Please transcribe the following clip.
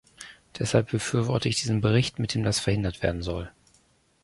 Deshalb befürworte ich diesen Bericht, mit dem das verhindert werden soll.